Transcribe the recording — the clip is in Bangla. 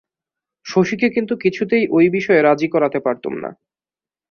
শশীকে কিন্তু কিছুতেই ঐ বিষয়ে রাজী করাতে পারতুম না।